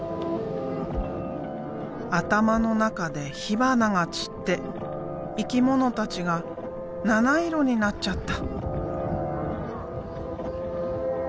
頭の中で火花が散って生き物たちが７色になっちゃった。